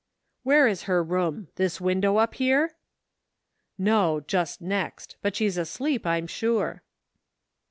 " Where is her room. This window up here? "" No, just next, but she's asleep, I'm sure."